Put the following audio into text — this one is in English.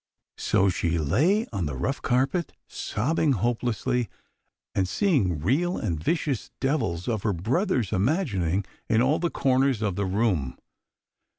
So she lay on the rough carpet, sobbing hopelessly, and seeing real and vicious devils of her brother's imagining in all the corners of the room.